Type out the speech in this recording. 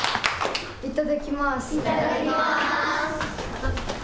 いただきます。